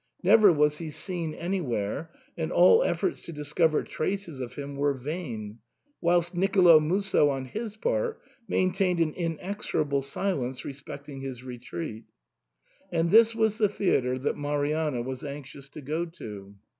Never was he seen anywhere, and all efforts to discover traces of him were vain, whilst Nicolo Musso on his part maintained an inexorable silence respecting his retreat. And this was the theatre that Marianna was anxious to go to.